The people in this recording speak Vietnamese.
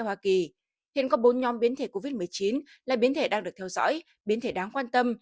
hoa kỳ hiện có bốn nhóm biến thể covid một mươi chín là biến thể đang được theo dõi biến thể đáng quan tâm